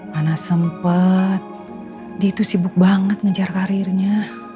mana sempet dia tuh sibuk banget ngejar karirnya